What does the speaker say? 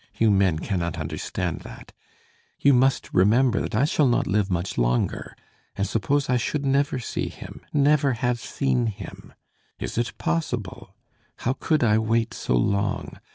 You men cannot understand that. You must remember that I shall not live much longer, and suppose I should never see him, never have seen him! ... Is it possible? How could I wait so long?